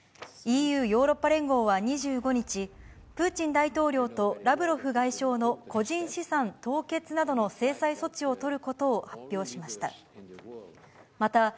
ＥＵ・ヨーロッパ連合は２５日、プーチン大統領とラブロフ外相の個人資産凍結などの制裁措置を取ることを発表しました。